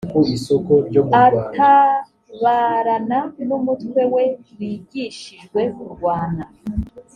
atabarana n’umutwe we wigishijwe kurwana